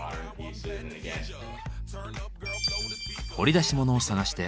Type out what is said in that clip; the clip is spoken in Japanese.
掘り出し物を探して。